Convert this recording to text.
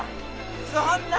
そんな！